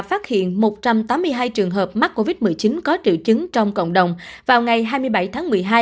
phát hiện một trăm tám mươi hai trường hợp mắc covid một mươi chín có triệu chứng trong cộng đồng vào ngày hai mươi bảy tháng một mươi hai